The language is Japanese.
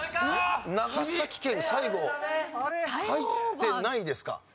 長崎県最後入ってないですか？